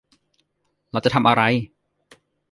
เราจะทำอะไร